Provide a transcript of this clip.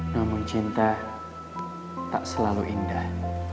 namun cinta tak selalu indah